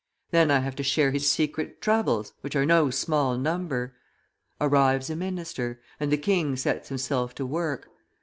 Then I have to share his secret troubles, which are no small number. Arrives a minister; and the king sets himself to work.